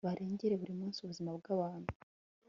barengere buri munsi ubuzima bwabantu